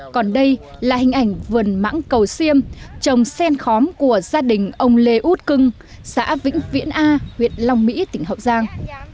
còn đây là hình ảnh vườn mãng cầu xiêm trồng sen khóm của gia đình ông lê út cưng xã vĩnh viễn a huyện long mỹ tỉnh hậu giang